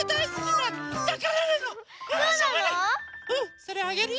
それあげるよ。